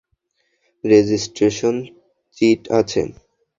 Registration chit আছে?